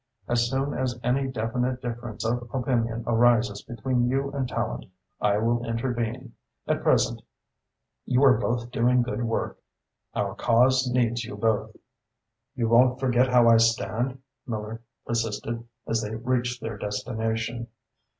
"As soon as any definite difference of opinion arises between you and Tallente, I will intervene. At present you are both doing good work. Our cause needs you both." "You won't forget how I stand?" Miller persisted, as they reached their destination.